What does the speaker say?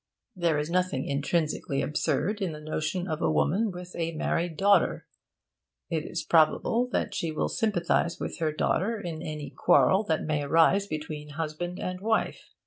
There is nothing intrinsically absurd in the notion of a woman with a married daughter. It is probable that she will sympathise with her daughter in any quarrel that may arise between husband and wife.